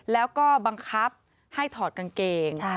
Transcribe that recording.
แล้วก็บังคับให้ถอดกางเกง